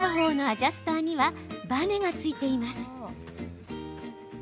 片方のアジャスターにはバネが付いています。